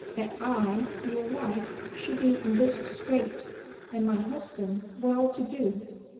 That I, your wife, should be in this strait, and my husband well to do!